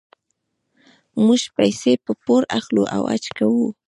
موږ پیسې په پور اخلو او حج کوو.